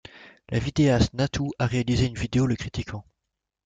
La vidéaste Natoo a réalisé une vidéo le critiquant.